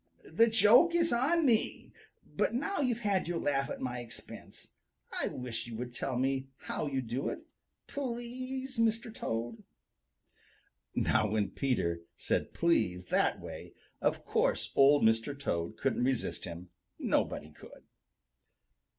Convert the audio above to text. "The joke is on me, but now you've had your laugh at my expense, I wish you would tell me how you do it. Please, Mr. Toad." Now when Peter said please that way, of course Old Mr. Toad couldn't resist him. Nobody could.